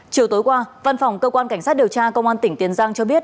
chiều tối qua văn phòng cơ quan cảnh sát điều tra công an tỉnh tiền giang cho biết